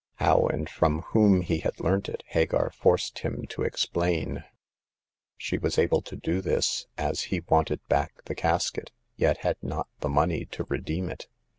How and from whom he had learnt it Hagar forced him to ex plain. She was able to do this, as he wanted back the casket, yet had not the money to re deem it.